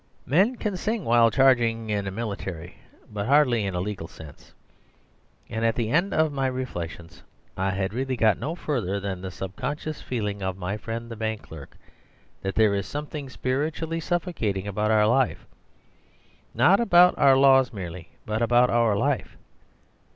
Men can sing while charging in a military, but hardly in a legal sense. And at the end of my reflections I had really got no further than the sub conscious feeling of my friend the bank clerk that there is something spiritually suffocating about our life; not about our laws merely, but about our life.